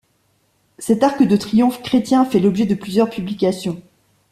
Cet arc de triomphe chrétien a fait l'objet de plusieurs publications.